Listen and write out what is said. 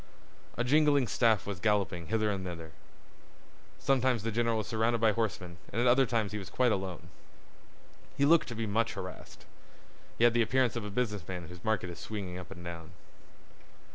A jingling staff was galloping hither and thither. Sometimes the general was surrounded by horsemen and at other times he was quite alone. He looked to be much harassed. He had the appearance of a business man whose market is swinging up and down.